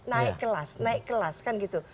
naik kelas naik kelas kan gitu